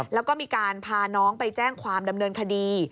แล้วก็มีการพาน้องไปแจ้งความดำเนินคดี